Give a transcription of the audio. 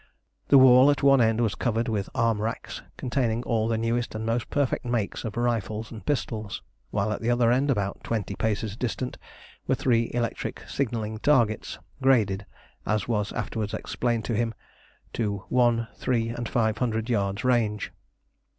The wall at one end was covered with arm racks containing all the newest and most perfect makes of rifles and pistols; while at the other end, about twenty paces distant, were three electric signalling targets, graded, as was afterwards explained to him, to one, three, and five hundred yards range.